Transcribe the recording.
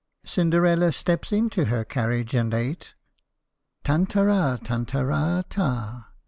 Cinderella steps into her carriage and eight, Tantara tantara ta !